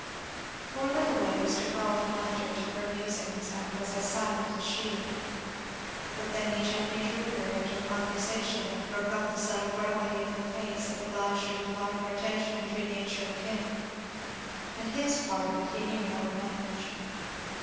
For a little way Mr. Carleton left her to her musings and was as silent as she. But then he gently drew her into a conversation that broke up the settled gravity of her face and obliged her to divide her attention between nature and him, and his part of it he knew how to manage.